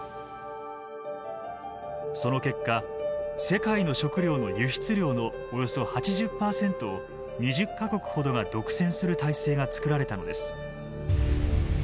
その結果世界の食料の輸出量のおよそ８０％を２０か国ほどが独占する体制が作られたのです。